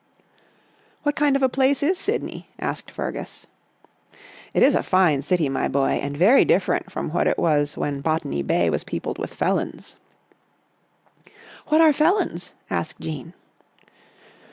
"What kind of a place is Sydney?" asked Fergus. Sailing to Sydney 13 " It is a fine city, my boy, and very different from what it was when Botany Bay was peopled with felons." " What are felons? " asked Jean.